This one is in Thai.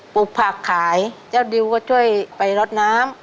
ปลูกผักขายเจ้าดิวก็ช่วยไปลดน้ำ